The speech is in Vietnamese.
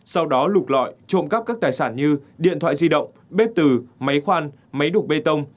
sau đó lục lọi trộm cắp các tài sản như điện thoại di động bếp từ máy khoan máy đục bê tông